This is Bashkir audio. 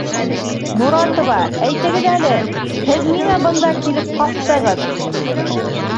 - Моратова, әйтегеҙ әле: һеҙ ниңә бында килеп ҡаптығыҙ?